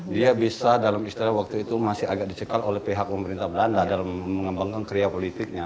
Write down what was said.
dia bisa dalam istilah waktu itu masih agak dicekal oleh pihak pemerintah belanda dalam mengembangkan karya politiknya